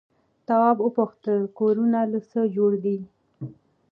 تواب وپوښتل کورونه له څه جوړ دي؟